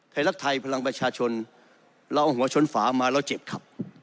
รักไทยพลังประชาชนเราเอาหัวชนฝามาแล้วเจ็บครับ